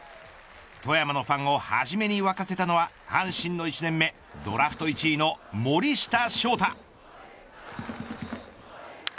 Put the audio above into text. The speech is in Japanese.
富山のファンを初めに沸かせたのは阪神の１年目、ドラフト１位の森下翔太。